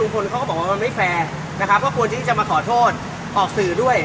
คนเขาก็บอกว่ามันไม่แฟร์นะครับก็ควรที่จะมาขอโทษออกสื่อด้วย